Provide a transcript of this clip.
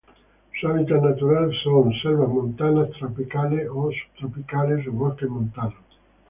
Su hábitat natural son: selvas montanas tropicales o subtropicales, o bosques montanos.